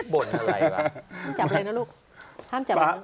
บ่นอะไรวะห้ามจับอะไรนะลูก